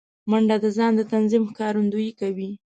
منډه د ځان د نظم ښکارندویي کوي